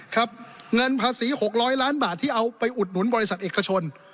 เงินภาษี๖๐๐ล้านบาทที่เอาไปอุดหนุนบริษัทเอกชน